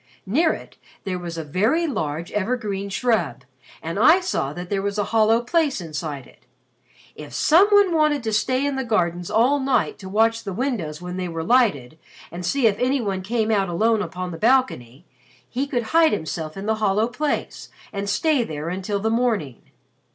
Near it, there was a very large evergreen shrub and I saw that there was a hollow place inside it. If some one wanted to stay in the gardens all night to watch the windows when they were lighted and see if any one came out alone upon the balcony, he could hide himself in the hollow place and stay there until the morning."